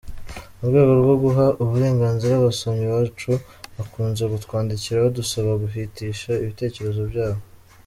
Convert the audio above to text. Murwego rwo guha uburenganzi abasomyi bacu bakunze kutwandikira badusaba guhitisha ibitekerezo byabo.